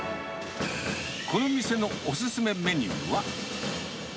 この店のおすすめメニューは。